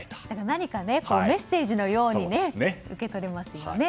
何かメッセージのように受け取れますよね。